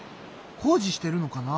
工事してるのかな？